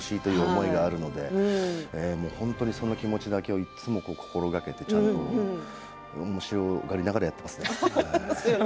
思いがあるので本当に、その気持ちだけをいつも心がけておもしろがりながらやってますね。